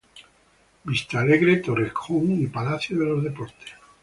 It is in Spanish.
Vista Alegre, Torrejón y Palacio de los Deportes.